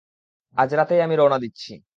আজ রাতেই আমি রওনা দিচ্ছি।